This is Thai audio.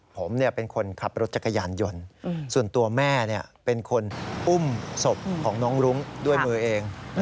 ผมเป็นคนขับรถจักรยานยนต์ส่วนตัวแม่เป็นคนอุ้มศพของน้องรุ้งด้วยมือเอง